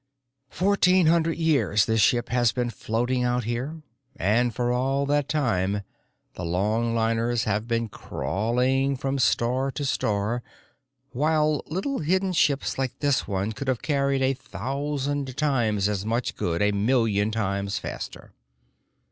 "Fourteen hundred years this ship has been floating out here. And for all that time, the longliners have been crawling from star to star, while little hidden ships like this one could have carried a thousand times as much goods a million times faster.